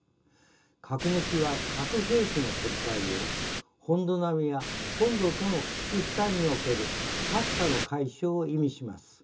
「核抜き」は核兵器の撤廃を「本土並み」は本土との基地負担における格差の解消を意味します。